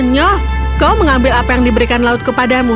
konyol kau mengambil apa yang diberikan laut kepadamu